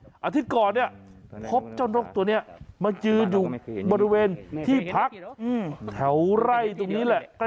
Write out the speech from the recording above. อาทิตย์ก่อนเนี่ยพบเจ้านกตัวนี้มายืนอยู่บริเวณที่พักแถวไร่ตรงนี้แหละ